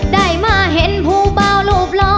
ได้มาเห็นผู้เปล่าหลูบล้อ